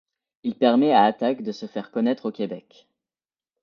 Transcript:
Il permet à Attack de se faire connaître au Québec.